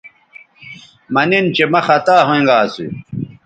مہ نن چہ مہ خطا ھوینگا اسو